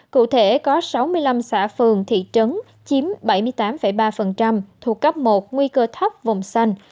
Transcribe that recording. cụ thể có sáu mươi năm xã phường thị trấn chiếm bảy mươi tám ba thuộc cấp một nguy cơ thấp vùng xanh